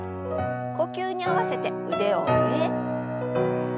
呼吸に合わせて腕を上へ。